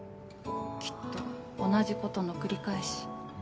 きっと同じことの繰り返し。